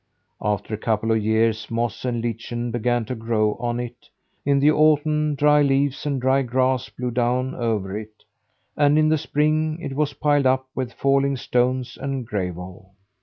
After a couple of years, moss and lichen began to grow on it. In the autumn dry leaves and dry grass blew down over it; and in the spring it was piled up with falling stones and gravel.